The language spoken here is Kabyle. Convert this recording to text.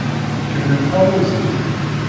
Kemmlem taɣuzi.